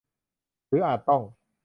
หรืออาจต้อง